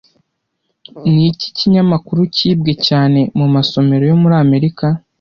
Niki kinyamakuru cyibwe cyane mumasomero yo muri Amerika